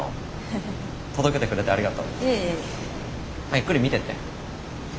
ゆっくり見てって。